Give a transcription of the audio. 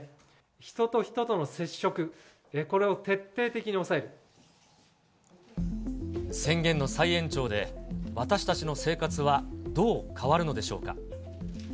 人と人との接触、宣言の再延長で、私たちの生活はどう変わるのでしょうか。